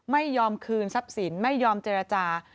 ไม่ยอมคืนทรัพย์สินไม่ยอมเจรจา